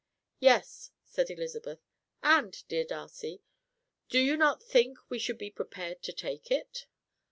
"Yes," said Elizabeth, "and, dear Darcy, do you not think we should be prepared to take it?